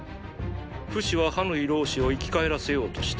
フシはハヌイ老師を生き返らせようとした。